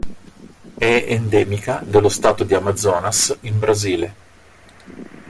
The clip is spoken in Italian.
È endemica dello stato di Amazonas in Brasile.